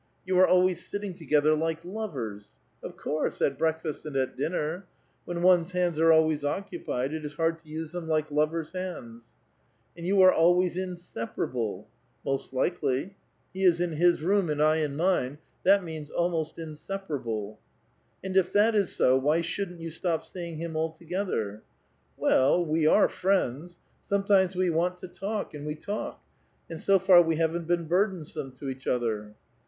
*' You are always sitting together like lovers ! "Of course. At breakfast and at dinner. When one's bands are always occupied, it is hard to use them like lovers' bands." *' And you are always inseparable !"" Most likely. He is in his room and I in mine ; that means almost inseparable." And if that is so, why shouldn't you stop seeing him altogether?" '* Well [c2a], we are friends ; sometimes we want to talk, and we talk, and so far we haven't been burdensome to each other."